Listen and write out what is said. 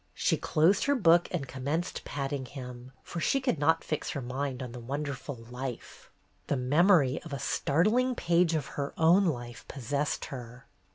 She closed her book and commenced patting him, for she could not fix her mind on the wonderful "Life." The memory of a startling page of her own life possessed her.